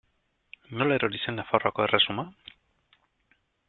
Nola erori zen Nafarroako erresuma?